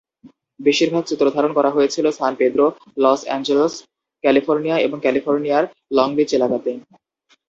বেশিরভাগ চিত্রধারণ করা হয়েছিল San Pedro, Los Angeles, California এবং ক্যালিফোর্নিয়ার লং বীচ এলাকাতে।